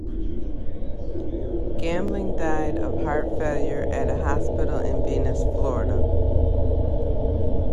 Gambling died of heart failure at a hospital in Venice, Florida.